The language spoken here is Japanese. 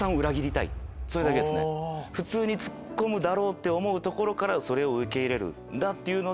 普通にツッコむって思うとこからそれを受け入れるっていうので。